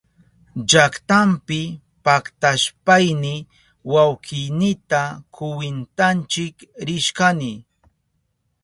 Llaktanpi paktashpayni wawkiynita kwintachik rishkani.